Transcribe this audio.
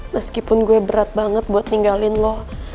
meskipun gue berat banget buat ninggalin lo